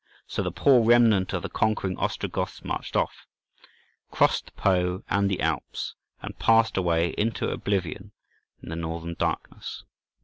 So the poor remnant of the conquering Ostrogoths marched off, crossed the Po and the Alps, and passed away into oblivion in the northern darkness.